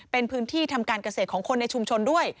เป็นพื้นที่ทำการเกษตรของคนในชุมชนด้วย